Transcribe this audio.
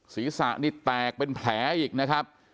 ศีรษะนี่แตกเป็นแผลอีกนะครับ